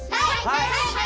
はい！